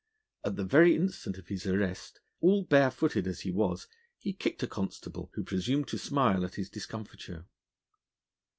At the very instant of his arrest, all bare footed as he was, he kicked a constable who presumed to smile at his discomfiture.